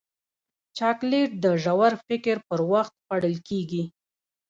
چاکلېټ د ژور فکر پر وخت خوړل کېږي.